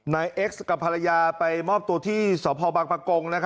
เอ็กซ์กับภรรยาไปมอบตัวที่สพบังปะกง